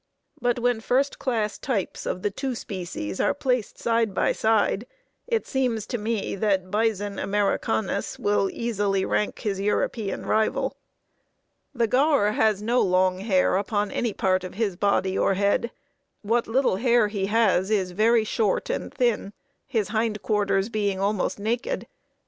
But when first class types of the two species are placed side by side it seems to me that Bison americanus will easily rank his European rival. The gaur has no long hair upon any part of his body or head. What little hair he has is very short and thin, his hindquarters being almost naked.